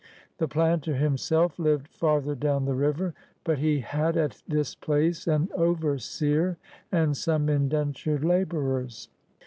'' The planter himself lived farther down the river. But he had at this place an overseer and some indentured laborers.